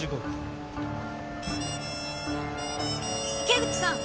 池内さん！